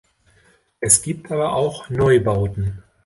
Es gibt aber auch Neubauten.